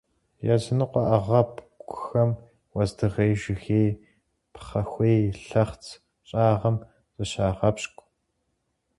Языныкъуэ ӏэгъэбэгухэм уэздыгъей, жыгей, пхъэхуей лъэхъц щӀагъым зыщагъэпщкӏу.